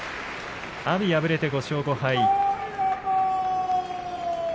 阿炎、敗れて５勝５敗。